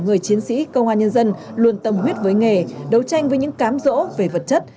người chiến sĩ công an nhân dân luôn tâm huyết với nghề đấu tranh với những cám rỗ về vật chất